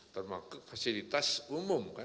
termakuk fasilitas umum